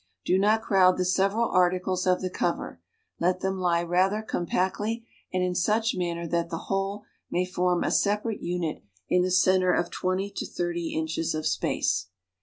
Do not crowd the se\'eral articles of the co\'er, let them lie rather compactly and in such ma.nner that the whole may form a separate unit in the center of iO to ?>() inches of space.